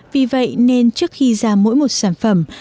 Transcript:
vì vậy nên trước khi ra mỗi một sản phẩm